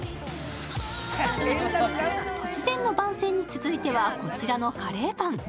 突然の番宣に続いては、こちらのカレーパン。